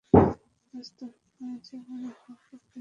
দোস্ত, যেভাবে হোক ওকে বাঁচাতে হবে।